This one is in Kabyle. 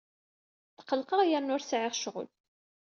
Tqellqeɣ yerna ur sɛiɣ ccɣel.